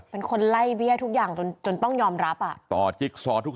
เป็นคนไล่เบี้ยทุกอย่างจนจนต้องยอมรับอ่ะต่อจิ๊กซอทุก